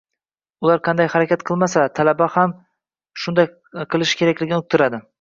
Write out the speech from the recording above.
ular qanday harakat qilsalar, talaba ham shunday qilishi kerakligini uqdiradi.